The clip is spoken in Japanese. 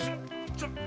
ちょっと！